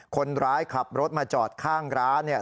คนร้ายขับรถมาจอดข้างร้านเนี่ย